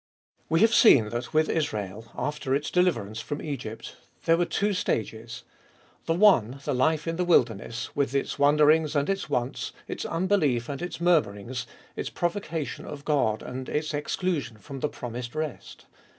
WE have seen that with Israel, after its deliverance from Egypt, there were two stages. The one, the life in the wilderness, with its wanderings and its wants, its unbelief and its murmurings, its pro vocation of God and its exclusion from the promised rest.